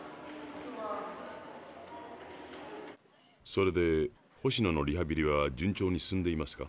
それで星野のリハビリは順調に進んでいますか？